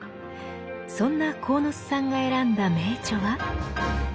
そんな鴻巣さんが選んだ名著は。